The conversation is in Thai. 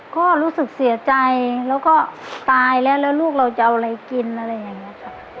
ก็รู้สึกเสียใจแล้วก็ตายแล้วแล้วลูกเราจะเอาอะไรกินอะไรอย่างนี้จ้ะ